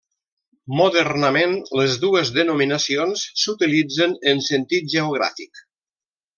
Modernament, les dues denominacions s'utilitzen en sentit geogràfic.